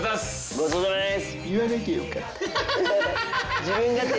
ごちそうさまです。